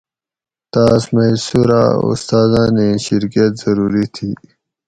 تاۤس مئ سوراۤ استاۤزاۤن ایں شرکت ضروری تھی